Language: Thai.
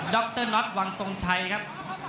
ด๊อกเตอร์นอทวังสงชัยครับ